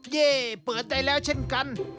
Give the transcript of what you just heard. เย่เปิดใจแล้วเช่นกัน